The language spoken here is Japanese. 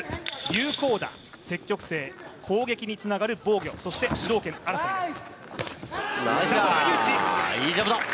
有効打、積極性、攻撃につながる防御そして主導権争いです。